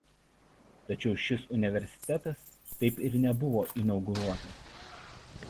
Tačiau šis universitetas taip ir nebuvo inauguruotas.